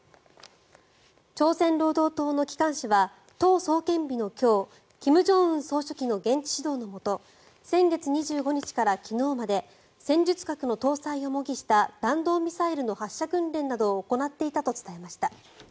朝鮮労働党の機関紙は党創建日の今日金正恩総書記の現地指導のもと先月２５日から昨日まで戦術核の搭載を模擬した弾道ミサイルの発射訓練などを行っていたと伝えました。